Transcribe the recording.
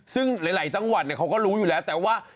ซึ่งหลายจังหวัดเนี่ยเค้าก็รู้อยู่แล้ว